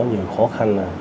nhiều khó khăn